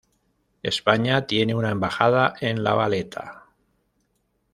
España tiene una embajada en La Valeta.